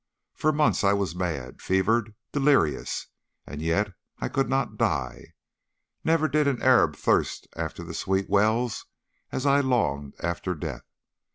For months I was mad, fevered, delirious, and yet I could not die. Never did an Arab thirst after the sweet wells as I longed after death.